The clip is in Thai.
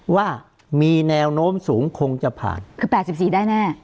ว่ามีแนวโน้มสูงคงจะผ่านคือ๘๔ได้แน่